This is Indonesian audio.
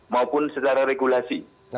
maupun secara regulasi